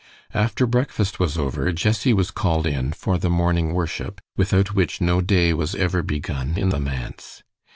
After breakfast was over, Jessie was called in for the morning worship, without which no day was ever begun in the manse.